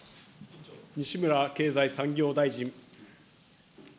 西村経済産業大臣。